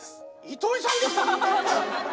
糸井さんですか？